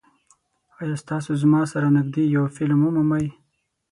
ایا تاسو زما سره نږدې یو فلم ومومئ؟